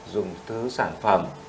dùng thứ sản phẩm